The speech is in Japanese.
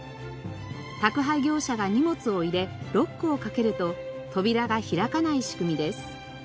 宅配業者が荷物を入れロックをかけると扉が開かない仕組みです。